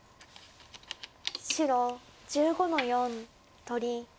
白１５の四取り。